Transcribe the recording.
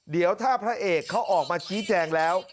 เดี๋ยวถ้าพระเอกเขาออกมาชี้แจงแล้ว